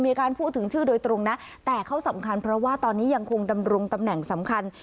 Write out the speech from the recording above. มีการพูดถึงชื่อโดยตรงนะแต่เขาสำคัญเพราะว่าตอนนี้ยังคงดำรงตำแหน่งสำคัญ